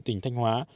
tỉnh thanh hóa